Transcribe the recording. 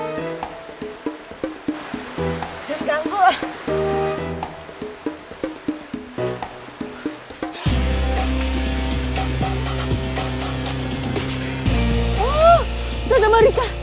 tidak tidak marissa